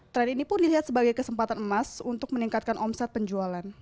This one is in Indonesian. tren ini pun dilihat sebagai kesempatan emas untuk meningkatkan omset penjualan